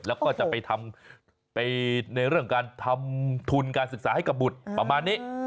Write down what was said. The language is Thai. แล้วก็จะไปในเรื่องการทำทุนการศึกษาให้กับบุตรประมาณนี้